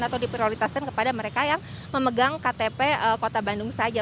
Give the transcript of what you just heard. atau diprioritaskan kepada mereka yang memegang ktp kota bandung saja